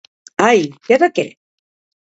Ai, que de què!